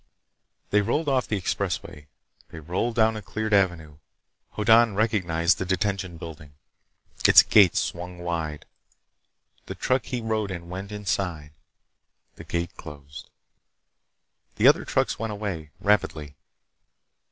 They rolled off the expressway. They rolled down a cleared avenue. Hoddan recognized the Detention Building. Its gate swung wide. The truck he rode in went inside. The gate closed. The other trucks went away—rapidly.